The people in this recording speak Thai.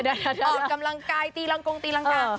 ออกกำลังกายตีรังกงตีรังกา